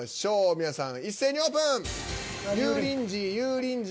皆さん一斉にオープン！